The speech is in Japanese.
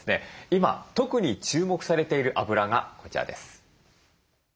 今特に注目されているあぶらがこちらです。